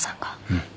うん。